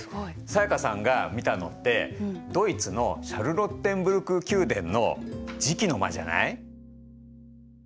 才加さんが見たのってドイツのシャルロッテンブルク宮殿の磁器の間じゃない？